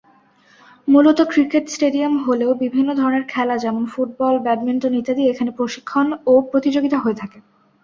মূলত cricket stadium হলেও বিভিন্ন ধরনের খেলা যেমন ফুটবল ব্যাডমিন্টন ইত্যাদি এখানে প্রশিক্ষণ ও প্রতিযোগিতা হয়ে থাকে।